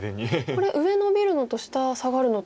これ上ノビるのと下サガるのと。